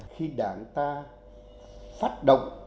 khi đảng ta phát động